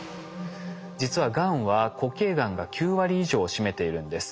実はがんは固形がんが９割以上を占めているんです。